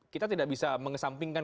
kita tidak bisa mengesampingkan